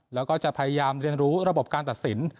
แล้วก็จะพยายามเรียนรู้ระบบการตัดสิน